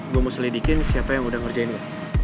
gue mau selidikin siapa yang udah ngerjain gue